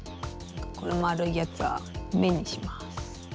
このまるいやつはめにします。